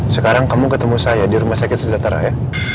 sekarang kamu ketemu saya di rumah sakit sejahtera ya